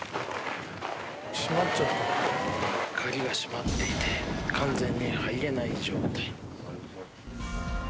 閉まっちゃってる」鍵が閉まっていて完全に入れない状態。